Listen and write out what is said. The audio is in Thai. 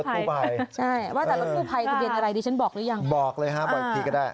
ใช่ว่าแต่รถกู้ไพรทะเบียนอะไรดีฉันบอกหรือยังบอกเลยครับบ่อยทีก็ได้